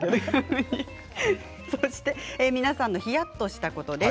皆さんのひやっとしたことです。